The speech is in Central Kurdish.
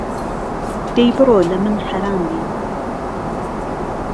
دهی بڕۆ له من حهرام بی